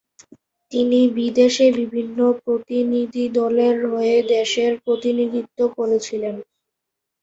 তিনি বিদেশে বিভিন্ন প্রতিনিধি দলের হয়ে দেশের প্রতিনিধিত্ব করেছিলেন।